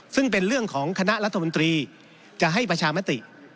ซึ่งเป็นเรื่องของคณะรัฐมนตรีจะให้ประชามติ